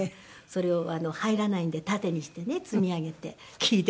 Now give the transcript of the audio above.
それを入らないんで縦にしてね積み上げて聴いてたりとか。